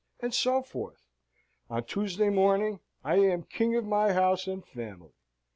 and so forth. On Tuesday morning I am king of my house and family.